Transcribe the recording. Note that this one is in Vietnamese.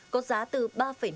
có giá từ ba năm đến bốn tỷ đồng